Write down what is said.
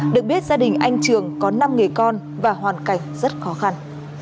được biết gia đình anh trường có năm nghề con và hoàn cảnh rất khó khăn